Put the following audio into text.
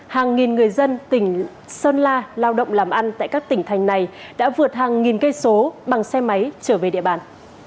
hàng nghìn người dân tỉnh sơn la lao động làm ăn tại các tỉnh thành này đã vượt hàng nghìn cây số bằng xe máy trở về địa bàn